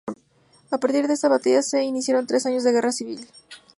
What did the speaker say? A partir de esta batalla se iniciaron tres años de guerra civil.